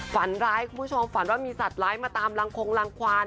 ฝันร้ายคุณผู้ชมฝันว่ามีสัตว์ร้ายมาตามรังคงรังควาน